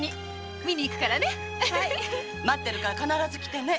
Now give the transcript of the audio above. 待ってるから必ず来てね。